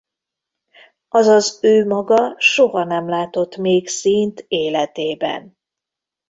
Azaz ő maga soha nem látott még színt életében.